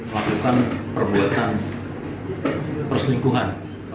melakukan perbuatan perselingkuhan